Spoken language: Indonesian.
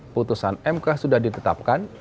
putusan mk sudah ditetapkan